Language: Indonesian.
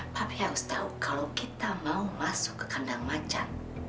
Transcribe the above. tapi harus tahu kalau kita mau masuk ke kandang macan